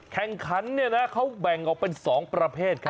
แข่งขันเนี่ยนะเขาแบ่งออกเป็น๒ประเภทครับ